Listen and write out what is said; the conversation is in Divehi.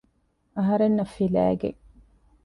އަހަރެންނަށް ފިލައިގެން